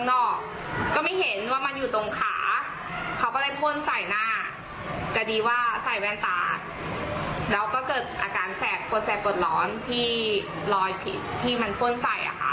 ในแว่นตาแล้วก็เกิดอาการแสบโกรธแสบโกรธร้อนที่รอยผิดที่มันพ่นใส่